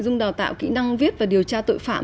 dung đào tạo kỹ năng viết và điều tra tội phạm